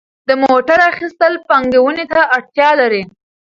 د موټر اخیستل پانګونې ته اړتیا لري.